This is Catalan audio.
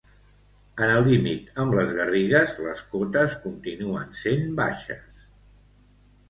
En el límit amb les Garrigues les cotes continuen sent baixes.